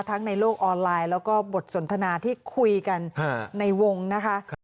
ในโลกออนไลน์แล้วก็บทสนทนาที่คุยกันในวงนะคะ